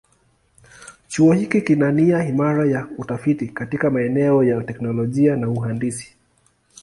Chuo hiki kina nia imara ya utafiti katika maeneo ya teknolojia na uhandisi.